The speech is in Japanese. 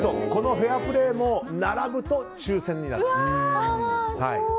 フェアプレーも並ぶと抽選になると。